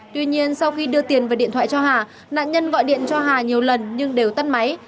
tuy nhiên sau khi đưa tiền và điện thoại cho hà nạn nhân gọi điện cho hà nhiều lần nhưng đều tắt máy